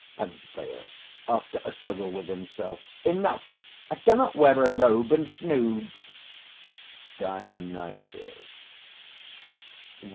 PENTHEUS (after a struggle with himself). Enough! I cannot wear a robe and snood. DIONYSUS.